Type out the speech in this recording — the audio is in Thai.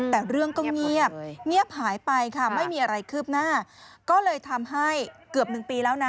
แต่เรื่องก็เงียบเงียบหายไปค่ะไม่มีอะไรคืบหน้าก็เลยทำให้เกือบ๑ปีแล้วนะ